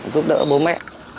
giúp đỡ bố mẹ